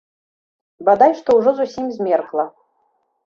Бадай што ўжо зусім змеркла.